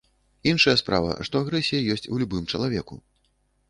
Іншая справа, што агрэсія ёсць у любым чалавеку.